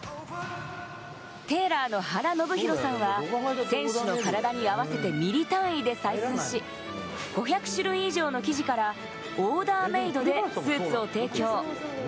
テーラーの原宣裕さんは選手の体に合わせてミリ単位で採寸し、５００種類以上の生地からオーダーメードでスーツを提供。